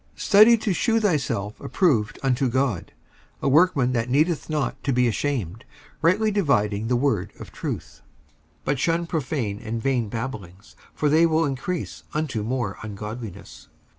55:002:015 Study to shew thyself approved unto God, a workman that needeth not to be ashamed, rightly dividing the word of truth. 55:002:016 But shun profane and vain babblings: for they will increase unto more ungodliness.